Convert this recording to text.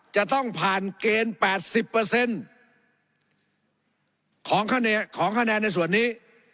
จะต้องผ่านเกณฑ์๘๐ของคะแนนในส่วนนี้